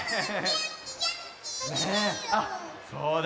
あっそうだ。